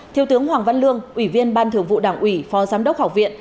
thiếu tướng hoàng văn lương ủy viên ban thường vụ đảng ủy phó giám đốc học viện